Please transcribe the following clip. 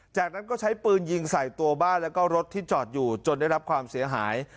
จากนั้นก็ใช้ปืนยิงใส่ตัวบ้านแล้วก็รถที่จอดอยู่จนได้รับความเสียหาย